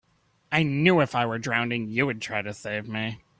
I knew if I were drowning you'd try to save me.